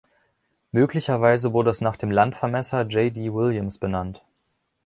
Möglicherweise wurde es nach dem Landvermesser J.D. Williams benannt.